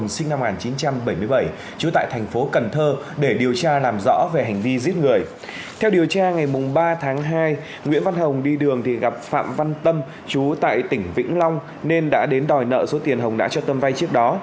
xin chào và hẹn gặp lại trong các bản tin tiếp theo